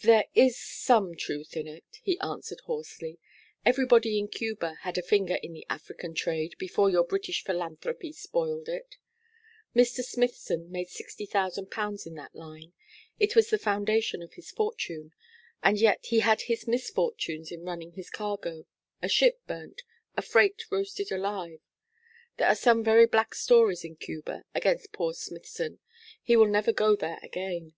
'There is some truth in it,' he answered, hoarsely. 'Everybody in Cuba had a finger in the African trade, before your British philanthropy spoiled it. Mr. Smithson made sixty thousand pounds in that line. It was the foundation of his fortune. And yet he had his misfortunes in running his cargo a ship burnt, a freight roasted alive. There are some very black stories in Cuba against poor Smithson. He will never go there again.'